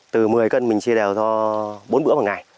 từ một mươi cân mình chia đều cho bốn bữa một ngày